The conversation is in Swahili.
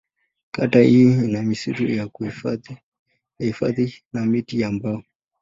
Kata hii ina misitu ya hifadhi na miti ya mbao.